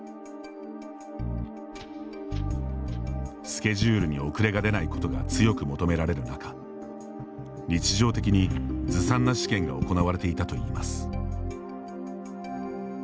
スケジュールに遅れが出ないことが強く求められる中日常的にずさんな試験が行われていたといいます。